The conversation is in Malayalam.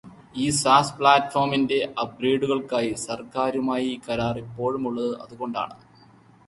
ഈ സാസ് പ്ലാറ്റ്ഫോമിന്റെ അപ്ഗ്രേഡുകൾക്കായി സർക്കാരുമായി കരാർ ഇപ്പോഴുമുള്ളത് അതുകൊണ്ടാണ്.